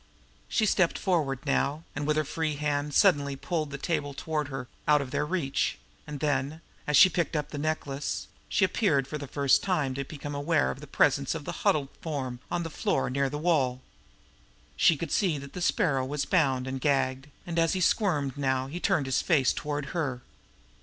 She stepped forward now, and with her free hand suddenly pulled the table toward her out of their reach; and then, as she picked up the necklace, she appeared for the first time to become aware of the presence of the huddled form on the floor near the wall. She could see that the Sparrow was bound and gagged, and as he squirmed now he turned his face toward her.